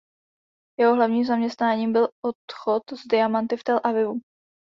Jeho hlavním zaměstnáním byl obchod s diamanty v Tel Avivu.